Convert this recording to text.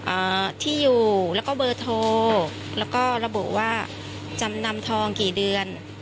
อ่าที่อยู่แล้วก็เบอร์โทรแล้วก็ระบุว่าจำนำทองกี่เดือน